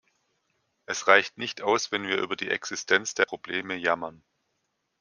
Es reicht nicht aus, wenn wir über die Existenz der Probleme jammern.